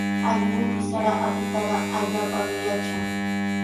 Allqupis sara apitaqa allaapami yatran.